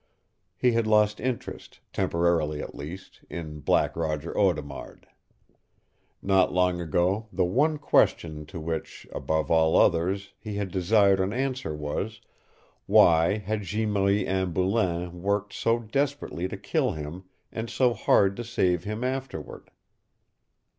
He had lost interest temporarily at least in Black Roger Audemard. Not long ago the one question to which, above all others, he had desired an answer was, why had Jeanne Marie Anne Boulain worked so desperately to kill him and so hard to save him afterward?